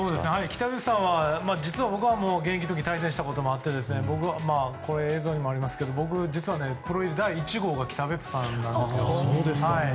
北別府さんは実は僕現役の時に対戦したことがあって僕は、映像にもありますがプロ入り第１号が北別府さんなんです。